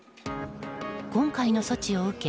今回の措置を受け